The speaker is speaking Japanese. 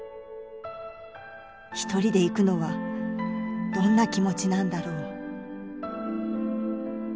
一人で行くのはどんな気持ちなんだろう